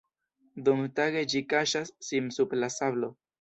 Dumtage ĝi kaŝas sin sub la sablo.